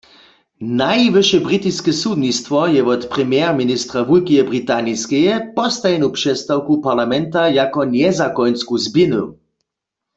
Najwyše britiske sudnistwo je wot premierministra Wulkeje Britaniskeje postajenu přestawku parlamenta jako njezakonsku zběhnył.